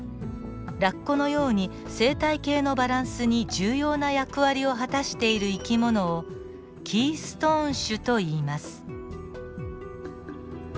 ラッコのように生態系のバランスに重要な役割を果たしている生き物をキーストーン種といいます。